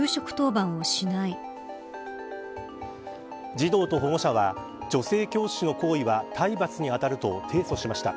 児童と保護者は女性教師の行為は体罰に当たると提訴しました。